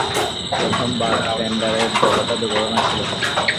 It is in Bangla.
প্রথম বারটেন্ডারের ব্যাপারটা দুর্ঘটনা ছিল।